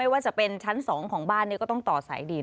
ไม่ว่าจะเป็นชั้นสองของบ้านนี้ก็ต้องต่อสายดิน